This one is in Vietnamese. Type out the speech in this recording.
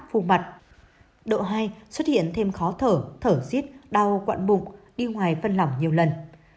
phù mặt độ hai xuất hiện thêm khó thở thở xít đau quặn bụng đi ngoài phân lỏng nhiều lần